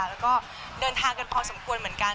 แล้วก็เดินทางกันพอสมควรเหมือนกัน